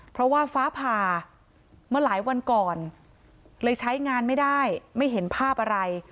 เพราะว่าฟ้าผ่ามาหลายวันก่อนเลยใช้งานไม่ได้ไม่เห็นภาพอะไร